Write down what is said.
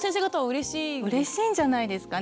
うれしいんじゃないですかね。